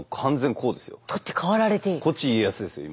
こっち家康ですよ今。